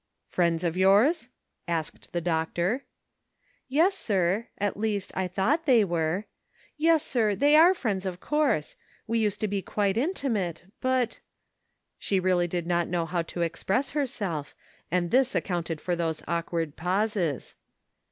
" Friends of yours? " asked the doctor. "Yes, sir; at least I thought they were. Yes, sir ; they are friends, of course. We used to be quite intimate, but" — She really did not know how to express herself, and this ac counted for those awkward pauses.